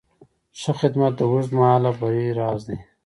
ښه خدمت د اوږدمهاله بری راز دی.